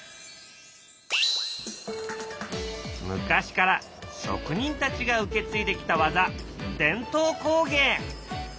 昔から職人たちが受け継いできた技伝統工芸。